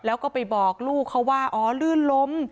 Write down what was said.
แล้วก็ไปบอกลูกเขาว่าอ๋อลื่นล้ม